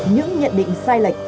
những nhận định sai lệch